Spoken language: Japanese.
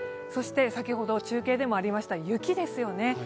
そして先ほど中継でもありました雪ですよね。